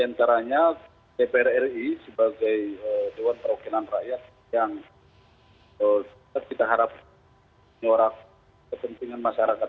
antaranya dpr ri sebagai dewan perwakilan rakyat yang kita harap nyorak kepentingan masyarakat